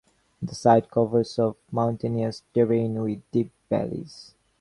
The site covers of mountainous terrain with deep valleys.